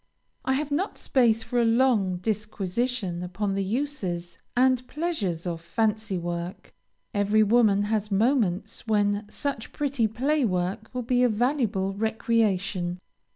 I have not space for a long disquisition upon the uses and pleasures of fancy work; every woman has moments when such pretty playwork will be a valuable recreation.